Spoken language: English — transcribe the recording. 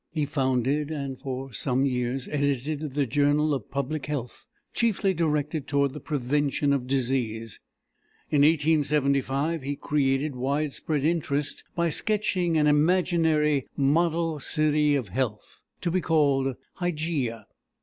He founded and for some years edited the Journal of Public Health, chiefly directed toward the prevention of disease. In 1875 he created widespread interest by sketching an imaginary "Model City of Health" to be called Hygeia.